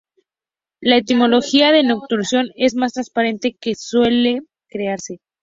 La etimología de "Necronomicón" es más transparente de lo que suele creerse.